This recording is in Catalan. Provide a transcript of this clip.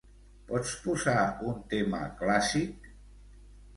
Pots posar un tema clàssic?